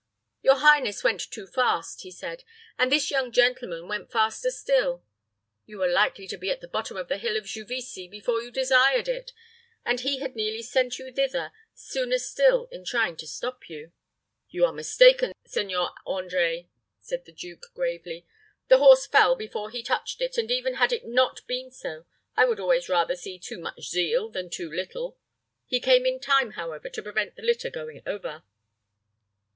"Your highness went too fast," he said; "and this young gentleman went faster still. You were likely to be at the bottom of the hill of Juvisy before you desired it, and he had nearly sent you thither sooner still in trying to stop you." "You are mistaken, Seigneur André," said the duke, gravely. "The horse fell before he touched it; and even had it not been so, I would always rather see too much zeal than too little. He came in time, however, to prevent the litter going over."